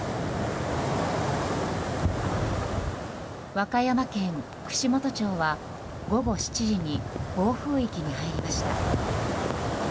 和歌山県串本町は午後７時に暴風域に入りました。